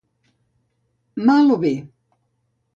Mal o bé.